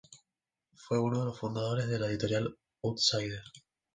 Fue uno de los fundadores de la editorial Outsider.